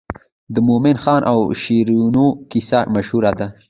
د مومن خان او شیرینو کیسه مشهوره ده.